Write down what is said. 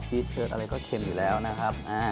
เทิร์ดอะไรก็เค็มอยู่แล้วนะครับ